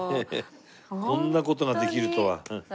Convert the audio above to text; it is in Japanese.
こんな事ができるとは。